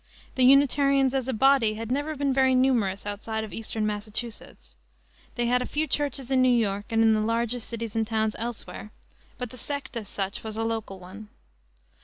The Unitarians as a body had never been very numerous outside of Eastern Massachusets. They had a few churches in New York and in the larger cities and towns elsewhere, but the sect, as such, was a local one.